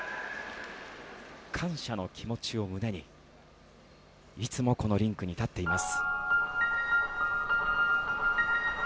感謝の気持ちを胸にいつもこのリンクに立っています。